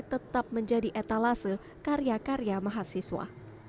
tetap menjadi etalase karya karya mahasiswa